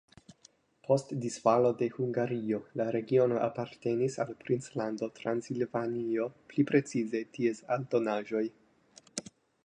Post disfalo de Hungario la regiono apartenis al princlando Transilvanio, pli precize ties aldonaĵoj.